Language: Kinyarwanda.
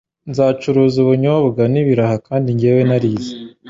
Nzacuruza ubunyobwa n'ibiraha kandi njyewe narize